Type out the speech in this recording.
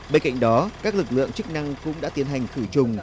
bên cạnh đó các lực lượng chức năng cũng đã tiến hành khử trùng